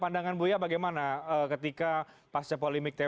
pandangan buya bagaimana ketika pasca polemik twk ini